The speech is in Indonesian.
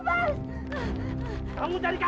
lagimu menguredari saya